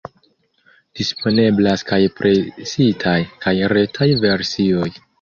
Disponeblas kaj presitaj kaj retaj versioj.